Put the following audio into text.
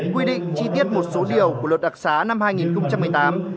quy định chi tiết một số điều của luật đặc xá năm hai nghìn một mươi tám